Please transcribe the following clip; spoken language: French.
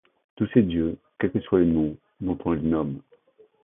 Tous ces dieux, quel que soit le nom dont on les nomme